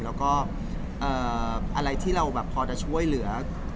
แล้วก็อะไรที่เราแบบพอจะช่วยเหลือ